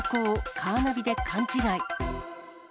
カーナビで勘違い。